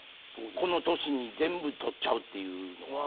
この年に全部取っちゃうっていうのは。